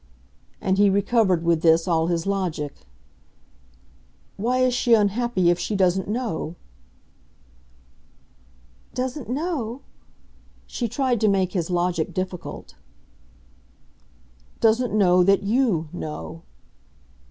And he recovered, with this, all his logic. "Why is she unhappy if she doesn't know?" "Doesn't know ?" She tried to make his logic difficult. "Doesn't know that YOU know."